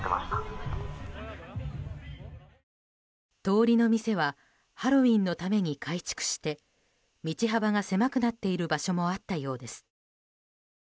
通りの店はハロウィーンのために改築して道幅が狭くなっている場所もあったようです。